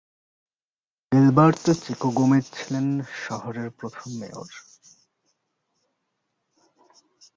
Gilberto Chico Gomez ছিলেন শহরের প্রথম মেয়র।